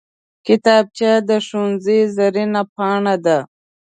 کتابچه د ښوونځي زرینه پاڼه ده